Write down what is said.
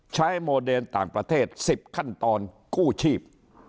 โมเดนต่างประเทศ๑๐ขั้นตอนกู้ชีพ